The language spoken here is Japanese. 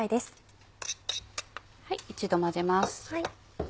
一度混ぜます。